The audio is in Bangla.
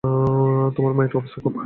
তোমার মায়ের অবস্থা খুব খারাপ।